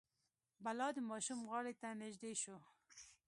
بلا د ماشوم غاړې ته نژدې شو.